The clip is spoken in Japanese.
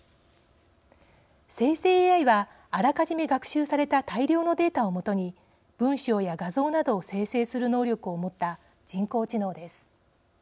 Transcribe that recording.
生成ＡＩはあらかじめ学習された大量のデータをもとに文章や画像などを生成する能力を持った人工知能です。